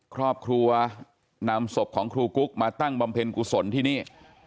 ครอบครัวนำศพของครูกุ๊กมาตั้งบำเพ็ญกุศลที่นี่